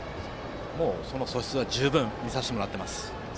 もうその素質は十分見させてもらっています。